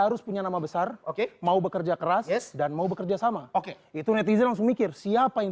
harus punya nama besar oke mau bekerja keras dan mau bekerja sama oke itu netizen langsung mikir siapa yang